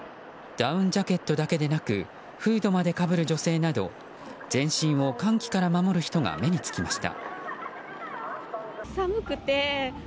ダウンジャケットだけでなくフードをかぶる女性など全身を寒気から守る人が目につきました。